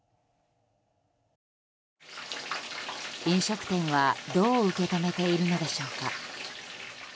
飲食店は、どう受け止めているのでしょうか。